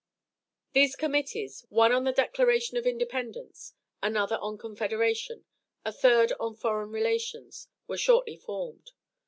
Three committees, one on a Declaration of Independence; another on Confederation; and third on Foreign Relations, were shortly formed.